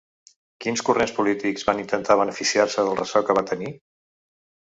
Quins corrents polítics van intentar beneficiar-se del ressò que van tenir?